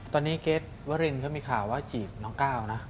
ตอนนี้เกรทวรินก็มีข่าวว่าจีบน้องก้าวนะ